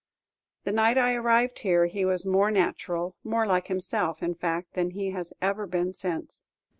The night I arrived here he was more natural, more like himself, in fact, than he has ever been since.